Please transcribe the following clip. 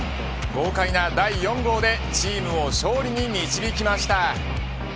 豪快な第４号でチームを勝利に導きました。